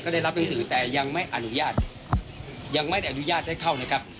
ได้รับหนังสือแต่ยังไม่อนุญาตยังไม่ได้อนุญาตได้เข้านะครับ